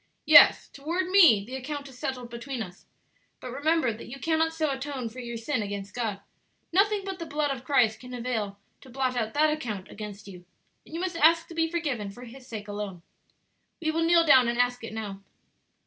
"Yes, toward me; the account is settled between us; but remember that you cannot so atone for your sin against God; nothing but the blood of Christ can avail to blot out that account against you, and you must ask to be forgiven for His sake alone. We will kneel down and ask it now."